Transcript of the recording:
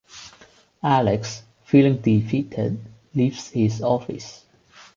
Alex, feeling defeated, leaves his office.